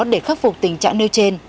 để khắc phục tình trạng nêu trên